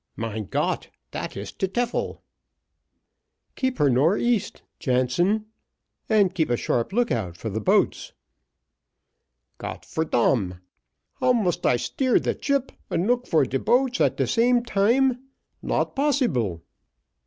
"Mein Got dat is de tyfel." "Keep her nor east, Jansen, and keep a sharp look out for the boats." "Got for dam how must I steer the chip and look for de boats at de same time? not possible."